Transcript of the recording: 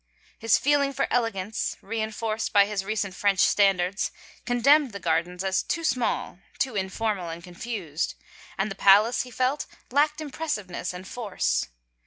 His feeling for elegance, reen forced by his recent French standards, condemned the gardens as too small, too informal and confused, and the palace, he felt, lacked impressiveness and force.